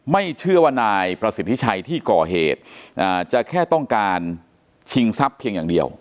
ไม่เชื่อว่านายประสิทธิชัยที่ก่อเหตุจะแค่ต้องการชิงทรัพย์เพียงอย่างเดียว